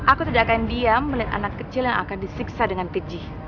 aku tidak akan diam melihat anak kecil yang akan disiksa dengan kejih